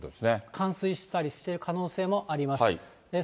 冠水したりしている可能性もあります。